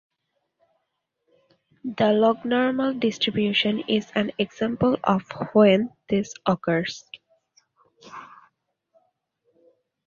The lognormal distribution is an example of when this occurs.